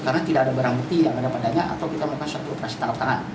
karena tidak ada barang bukti yang mendapat dana atau kita melakukan suatu operasi tanggap tanggap